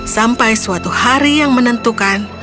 sampai suatu hari yang menentukan